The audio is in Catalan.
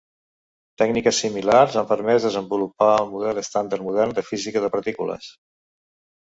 Tècniques similars han permès desenvolupar el model estàndard modern de física de partícules.